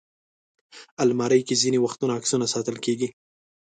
الماري کې ځینې وخت عکسونه ساتل کېږي